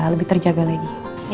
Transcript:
lebih terjaga lagi